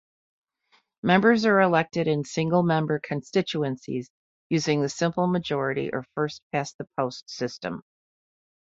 Members are elected in single-member constituencies using the simple majority, or First-past-the-post system.